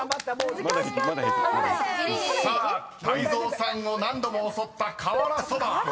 ［さあ泰造さんを何度も襲った瓦そば］